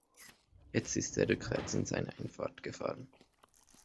Jetzt ist er rückwärts in seine Einfahrt gefahren.